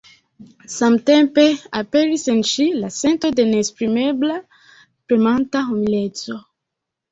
Samtempe aperis en ŝi la sento de neesprimebla premanta humileco.